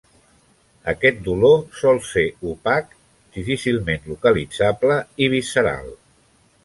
Aquest dolor sol ser opac, difícilment localitzable i visceral.